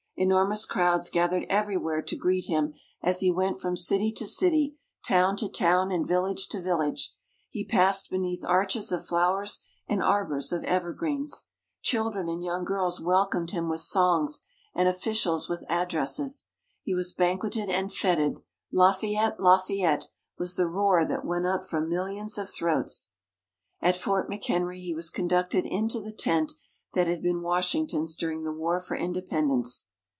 Enormous crowds gathered everywhere to greet him as he went from city to city, town to town, and village to village. He passed beneath arches of flowers and arbours of evergreens. Children and young girls welcomed him with songs, and officials with addresses. He was banqueted and fêted. "Lafayette! Lafayette!" was the roar that went up from millions of throats. At Fort McHenry, he was conducted into the tent that had been Washington's during the War for Independence.